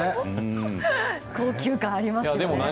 高級感がありますよね。